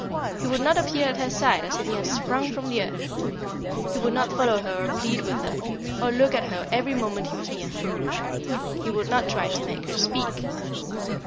He would not appear at her side as if he had sprung from the earth; he would not follow her or plead with her, or look at her every moment he was near her; he would not try to make her speak.